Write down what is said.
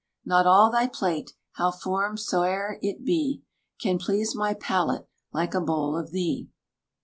Not all thy plate, how formed soe'er it be, Can please my palate like a bowl of thee.